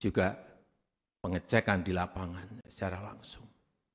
juga pengecekan di lapangan secara langsung